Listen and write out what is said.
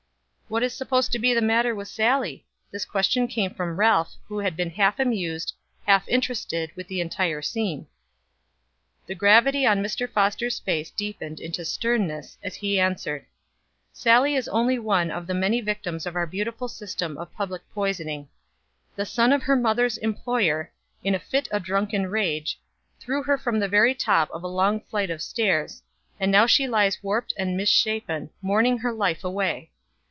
"What is supposed to be the matter with Sallie?" This question came from Ralph, who had been half amused, half interested, with the entire scene. The gravity on Mr. Foster's face deepened into sternness as he answered: "Sallie is only one of the many victims of our beautiful system of public poisoning. The son of her mother's employer, in a fit of drunken rage, threw her from the very top of a long flight of stairs, and now she lies warped and misshapen, mourning her life away.